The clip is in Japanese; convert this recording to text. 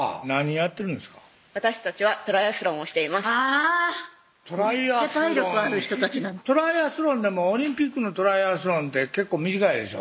めっちゃ体力ある人たちトライアスロンでもオリンピックのトライアスロンって結構短いでしょ？